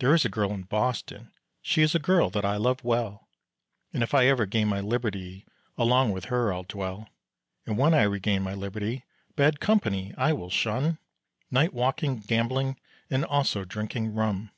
There is a girl in Boston, she is a girl that I love well, And if I ever gain my liberty, along with her I'll dwell; And when I regain my liberty, bad company I will shun, Night walking, gambling, and also drinking rum.